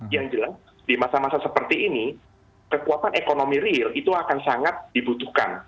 yang jelas di masa masa seperti ini kekuatan ekonomi real itu akan sangat dibutuhkan